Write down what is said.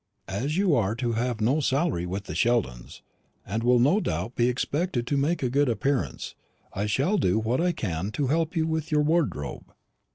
As you are to have no salary with the Sheldons, and will no doubt be expected to make a good appearance, I shall do what I can to help you with your wardrobe."